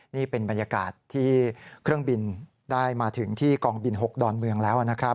นี่เป็นบรรยากาศที่เครื่องบินได้มาถึงที่กองบิน๖ดอนเมืองแล้วนะครับ